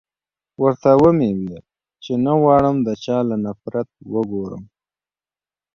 ورته و مې ويل چې نه غواړم د چا له نفرت وګورم.